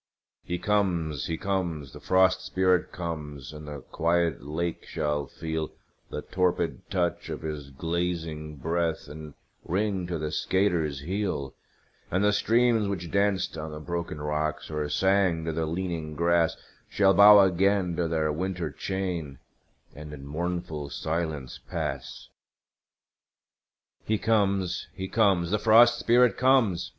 He comes, he comes, the Frost Spirit comes and the quiet lake shall feel The torpid touch of his glazing breath, and ring to the skater's heel; And the streams which danced on the broken rocks, or sang to the leaning grass, Shall bow again to their winter chain, and in mournful silence pass. He comes, he comes, the Frost Spirit comes!